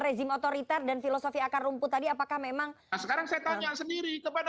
rezim otoriter dan filosofi akar rumput tadi apakah memang sekarang saya tanya sendiri kepada